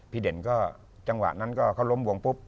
พี่เด่นก็เพราะล้มวงปุ๊บ